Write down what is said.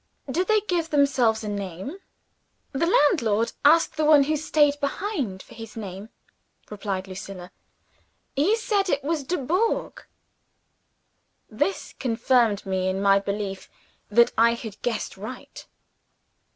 "Did they give themselves a name?" "The landlord asked the one who stayed behind for his name," replied Lucilla. "He said it was 'Dubourg.'" This confirmed me in my belief that I had guessed right.